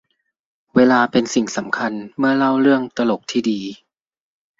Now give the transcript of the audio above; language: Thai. เวลาเป็นสิ่งสำคัญเมื่อเล่าเรื่องตลกที่ดี